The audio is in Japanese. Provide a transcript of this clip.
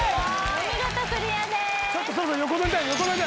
お見事クリアです